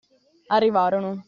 Arrivarono.